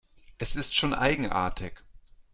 Es ist schon eigenartig.